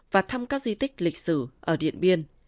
và thăm các di tích lịch sử ở điện biên